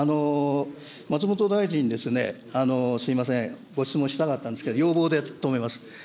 松本大臣ですね、すみません、ご質問したかったんですけれども、要望で止めます。